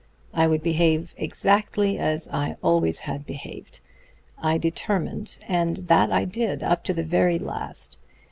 I would behave exactly as I always had behaved, I determined and that I did, up to the very last.